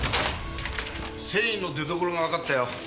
繊維の出所がわかったよ。